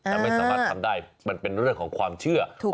แต่ไม่สามารถทำได้มันเป็นเรื่องของความเชื่อ